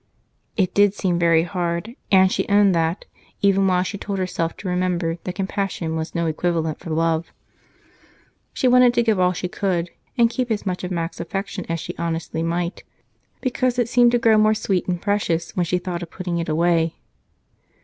It did not seem very hard, and she owned that, even while she told herself that compassion was no equivalent for love. She wanted to give all she could, and keep as much of Mac's affection as she honestly might, because it seemed to grow more sweet and precious when she thought of putting it away.